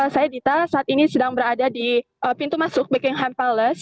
saya dita saat ini sedang berada di pintu masuk beckingham palace